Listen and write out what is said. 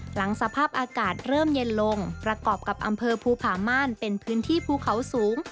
หลังสภาพอากาศเริ่มเย็นลงประกอบกับอำเภอภูผาม่านเป็นพื้นที่ภูเขาสูง